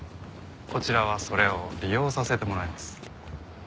こちらはそれを利用させてもらいます。